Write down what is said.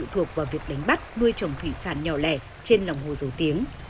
và phụ thuộc vào việc đánh bắt nuôi trồng thủy sản nhỏ lẻ trên lòng hồ dấu tiếng